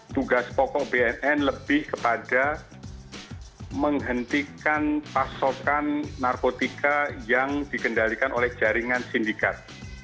tugas pokok bnn lebih kepada menghentikan pasokan narkotika yang dikendalikan oleh jaringan sindikat